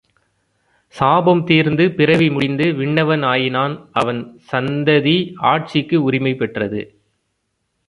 சாபம் தீர்ந்து பிறவி முடிந்து விண்ணவன் ஆயினான் அவன் சந்ததி ஆட்சிக்கு உரிமை பெற்றது.